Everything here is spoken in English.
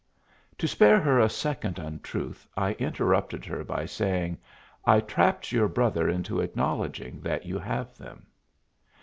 To spare her a second untruth, I interrupted her by saying, "I trapped your brother into acknowledging that you have them."